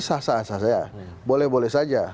sah sah sah saya boleh boleh saja